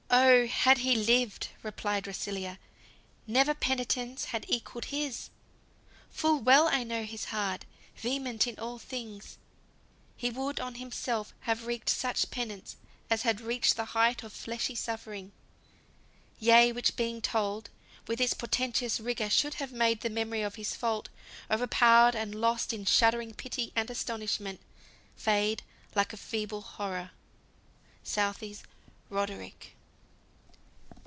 "Oh, had he lived, Replied Rusilla, never penitence Had equalled his! full well I know his heart, Vehement in all things. He would on himself Have wreaked such penance as had reached the height Of fleshly suffering, yea, which being told, With its portentous rigour should have made The memory of his fault, o'erpowered and lost In shuddering pity and astonishment, Fade like a feeble horror." SOUTHEY'S "RODERICK."